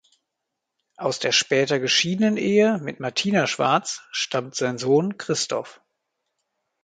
Aus der später geschiedenen Ehe mit Martina Schwarz stammt sein Sohn Christoph.